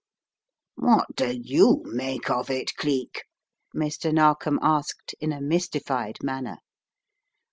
"What do you make of it, Cleek?" Mr. Narkom asked, in a mystified manner.